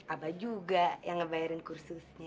abah juga yang ngebayarin kursusnya